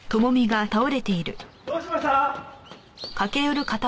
どうしました？